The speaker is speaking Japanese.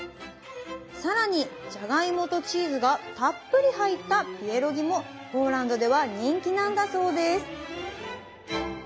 更にじゃがいもとチーズがたっぷり入ったピエロギもポーランドでは人気なんだそうです